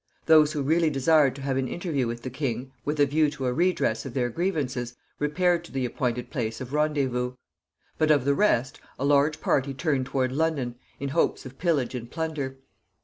Those who really desired to have an interview with the king, with a view to a redress of their grievances, repaired to the appointed place of rendezvous. But of the rest, a large party turned toward London, in hopes of pillage and plunder.